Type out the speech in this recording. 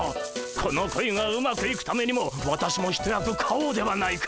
この恋がうまくいくためにも私も一役買おうではないか。